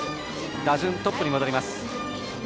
打順トップに戻ります。